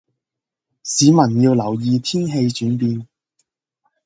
市民要留意天氣轉變